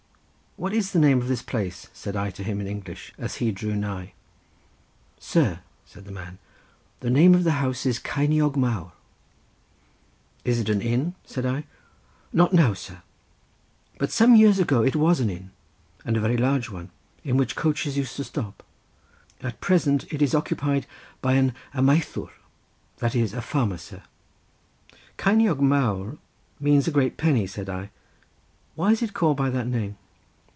"What is the name of this place?" said I to him in English as he drew nigh. "Sir," said the man, "the name of the house is Ceiniog Mawr." "Is it an inn?" said I. "Not now, sir; but some years ago it was an inn, and a very large one at which coaches used to stop; at present, it is occupied by an amaethwr—that is a farmer, sir." "Ceiniog Mawr means a great penny," said I, "why is it called by that name?"